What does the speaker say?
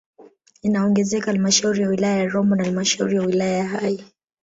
Inaongezeka halmashauri ya wilaya ya Rombo na halmashauri ya wilaya ya Hai